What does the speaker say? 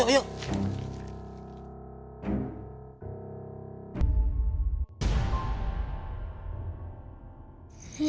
ayo mengikutin yuk